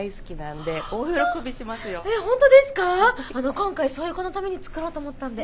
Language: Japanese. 今回そういう子のために作ろうと思ったんで。